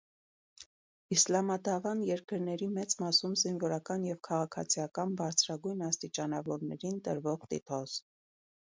Իսլամադավան երկրների մեծ մասում զինվորական և քաղաքացիական բարձրագույն աստիճանավորներին տրվող տիտղոս։